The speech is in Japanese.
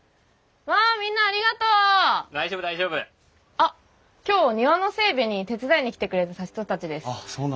あっ今日庭の整備に手伝いに来てくれた人たちです。